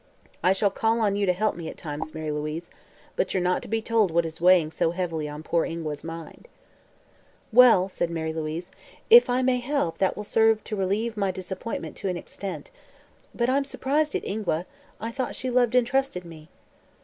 I shall call on you to help me, at times, Mary Louise, but you're not to be told what is weighing so heavily on poor Ingua's mind." "Well," said Mary Louise, "if I may help, that will serve to relieve my disappointment to an extent. But I'm surprised at Ingua. I thought she loved and trusted me."